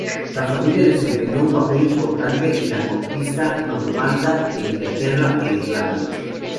La familia desempeñó un papel importante en la conquista normanda de Inglaterra e Irlanda.